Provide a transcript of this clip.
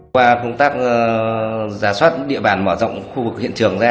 qua công tác giả soát địa bàn mở rộng khu vực hiện trường ra